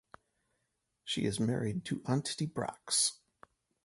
She is married to Antti Brax.